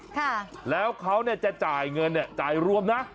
ค่ะแล้วเขาจะจ่ายเงินจ่ายรวมนะ